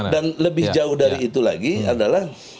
dan lebih jauh dari itu lagi adalah